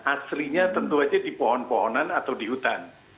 aslinya tentu saja di pohon pohonan atau di hutan